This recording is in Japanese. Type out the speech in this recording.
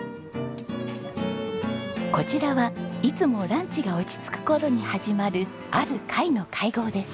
こちらはいつもランチが落ち着く頃に始まるある会の会合です。